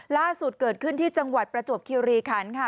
ล่าสุดเกิดขึ้นที่จังหวัดประจวบคิวรีคันค่ะ